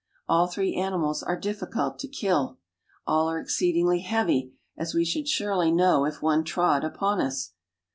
All three animals are difficult to Ail are exceedingly heavy, as we should surely know [ one trod upon us.